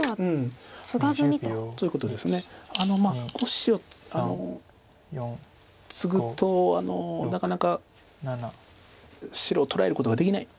５子をツグとなかなか白を捉えることができないと。